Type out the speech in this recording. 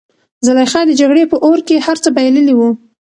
زلیخا د جګړې په اور کې هر څه بایللي وو.